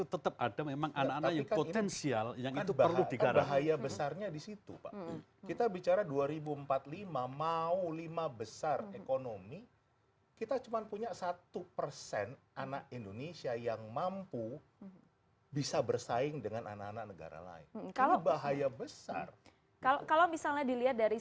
terima kasih pak menteri